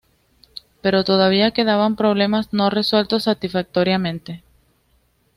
Pero todavía quedaban problemas no resueltos satisfactoriamente.